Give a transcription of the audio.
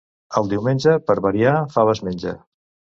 El diumenge, per variar, faves menja.